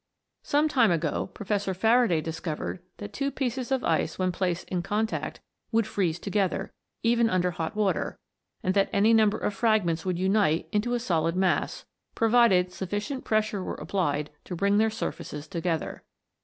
Some time ago, Professor Faraday discovered that two pieces of ice when placed in contact, would freeze together, even under hot water, and that any number of fragments would unite into a solid mass, provided sufficient pressure were applied to bring their surfaces together.